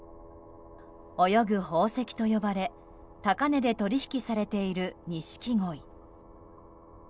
泳ぐ宝石と呼ばれ、高値で取引されているニシキゴイ。